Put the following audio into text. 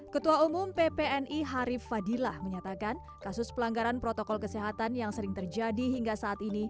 ketua umum ppni harif fadilah menyatakan kasus pelanggaran protokol kesehatan yang sering terjadi hingga saat ini